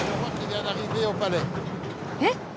えっ？